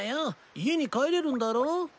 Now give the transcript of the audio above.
家に帰れるんだろ。